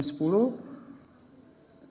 tim bergerak secara paralel